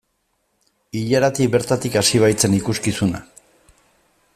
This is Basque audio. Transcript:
Ilaratik bertatik hasi baitzen ikuskizuna.